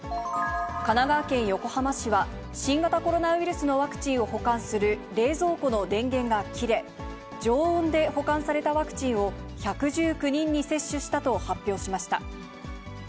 神奈川県横浜市は、新型コロナウイルスのワクチンを保管する冷蔵庫の電源が切れ、常温で保管されたワクチンを、１１９人に接種したと発表しました。